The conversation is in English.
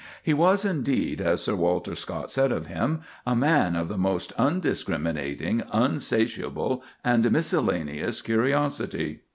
He was indeed, as Sir Walter Scott said of him, a man of the "most undiscriminating, unsatiable, and miscellaneous curiosity."